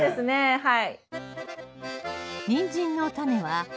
はい。